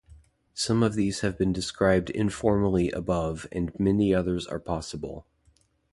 Some of these have been described informally above and many others are possible.